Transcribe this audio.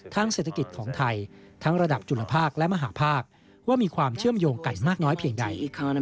เศรษฐกิจของไทยทั้งระดับจุลภาคและมหาภาคว่ามีความเชื่อมโยงกันมากน้อยเพียงใด